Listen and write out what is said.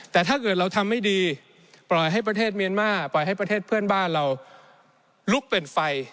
แต่ถ้าเกิดเราทำไม่ดีปล่อยให้ประเทศเมียนมาร์ปล่อยให้ประเทศเพื่อนบ้านเราลุกเป็นไฟ